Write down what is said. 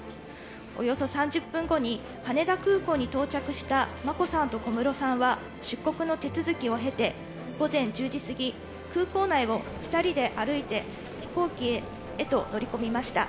およそ３０分後に羽田空港に到着した眞子さんと小室さんは、出国の手続きを経て、午前１０時過ぎ、空港内を２人で歩いて、飛行機へと乗り込みました。